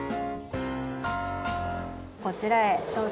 こちらへどうぞ。